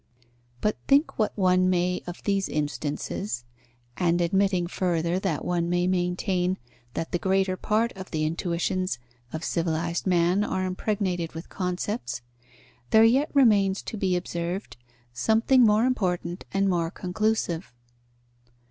But, think what one may of these instances, and admitting further that one may maintain that the greater part of the intuitions of civilized man are impregnated with concepts, there yet remains to be observed something more important and more conclusive.